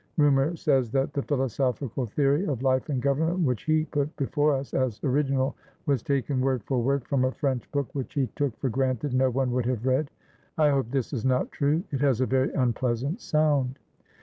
Rumour says that the philosophical theory of life and government which he put before us as original was taken word for word from a French book which he took for granted no one would have read. I hope this is not true; it has a very unpleasant sound."